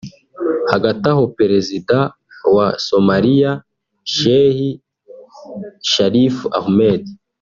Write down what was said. Hagati aho Perezida wa Somaliya Sheikh Sharif Ahmed